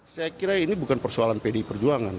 saya kira ini bukan persoalan pdi perjuangan